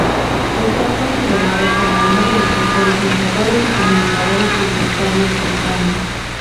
Está considerado como uno de los mejores narradores y comunicadores publicitarios de España.